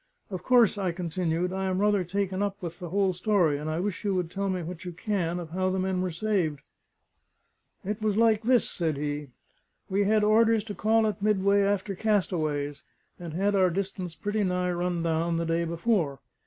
"Of course," I continued, "I am rather taken up with the whole story; and I wish you would tell me what you can of how the men were saved." "It was like this," said he. "We had orders to call at Midway after castaways, and had our distance pretty nigh run down the day before.